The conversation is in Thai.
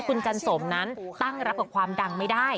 คุณจันสมนั้นตั้งรับกับความดังไม่ได้